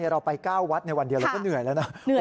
เราไป๙วัดในวันเดียวเราก็เหนื่อยแล้วนะ